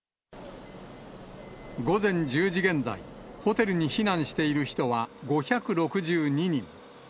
午前１０時現在、ホテルに避難している人は５６２人。